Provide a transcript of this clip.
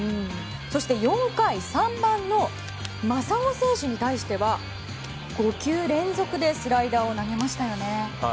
そして４回３番の真砂選手に対しては５球連続でスライダーを投げましたよね。